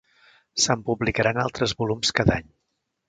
Se'n publicaran altres volums cada any.